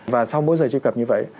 và sau mỗi lần truy cập như vậy